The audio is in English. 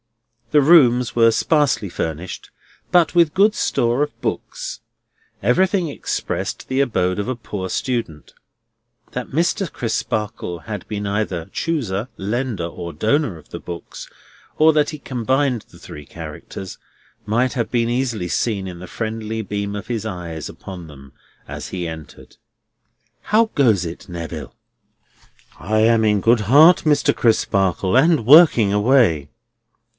The rooms were sparely furnished, but with good store of books. Everything expressed the abode of a poor student. That Mr. Crisparkle had been either chooser, lender, or donor of the books, or that he combined the three characters, might have been easily seen in the friendly beam of his eyes upon them as he entered. "How goes it, Neville?" "I am in good heart, Mr. Crisparkle, and working away."